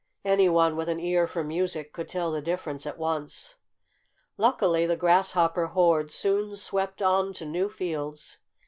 Anyone with an ear for music could tell the difference at once. Luckily the grasshopper horde soon swept on to new fields.